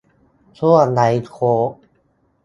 ช่วงไลฟ์โค้ช